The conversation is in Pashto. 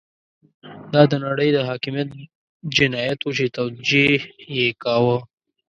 دا د نړۍ د حاکميت جنايت وو چې توجیه يې کاوه.